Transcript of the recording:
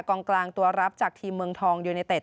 กลางตัวรับจากทีมเมืองทองยูเนเต็ด